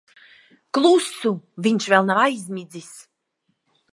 Klusu. Viņš vēl nav aizmidzis.